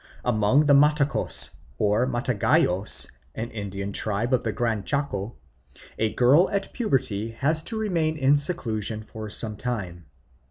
Among the Matacos or Mataguayos, an Indian tribe of the Gran Chaco, a girl at puberty has to remain in seclusion for some time.